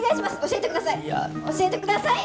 教えてください。